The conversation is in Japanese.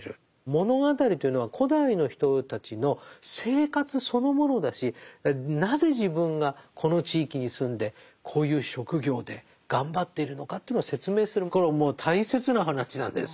物語というのは古代の人たちの生活そのものだしなぜ自分がこの地域に住んでこういう職業で頑張っているのかというのを説明するこれももう大切な話なんです